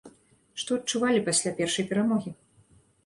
Што адчувалі пасля першай перамогі?